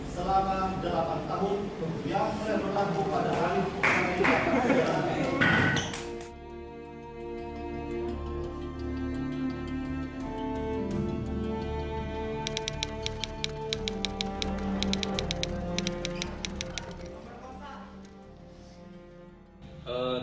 selama delapan tahun yang bertanggung pada hari ini